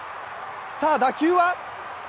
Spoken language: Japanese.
さあ打球は？